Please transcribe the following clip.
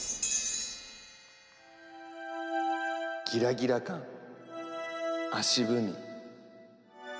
ギラギラ感足踏み。